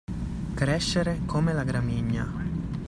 Crescere come la gramigna.